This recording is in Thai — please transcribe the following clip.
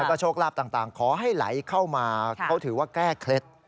แล้วก็โชคลาภต่างขอให้ไหลเข้ามาเขาถือว่าแก้เคล็ด